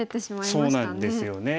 そうなんですよね。